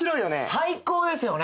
最高ですよね。